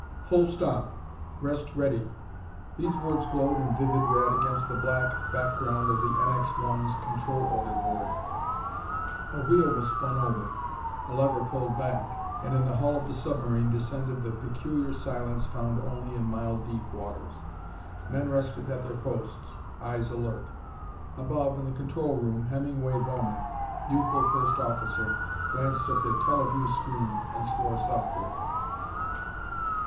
"] "Full stop. Rest ready." These words glowed in vivid red against the black background of the NX 1's control order board. A wheel was spun over, a lever pulled back, and in the hull of the submarine descended the peculiar silence found only in mile deep waters. Men rested at their posts, eyes alert. Above, in the control room, Hemingway Bowman, youthful first officer, glanced at the teleview screen and swore softly.